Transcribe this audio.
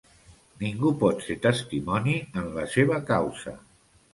Ningú pot ser testimoni en la seva causa.